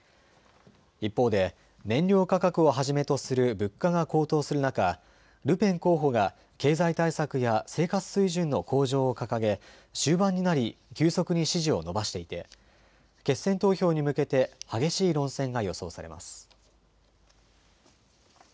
一方で燃料価格をはじめとする物価が高騰する中、ルペン候補が経済対策や生活水準の向上を掲げ、終盤になり急速に支持を伸ばしていて決選投票に向けて激しい論戦が予想されます。